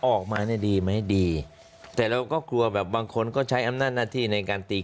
ออกมาเนี่ยดีไหมดีแต่เราก็กลัวแบบบางคนก็ใช้อำนาจหน้าที่ในการตี